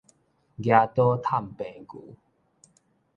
夯刀探病牛